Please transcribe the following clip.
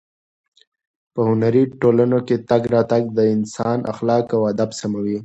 په هنري ټولنو کې تګ راتګ د انسان اخلاق او ادب سموي.